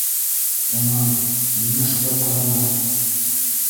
— Унан, миңә шулай ҡарама.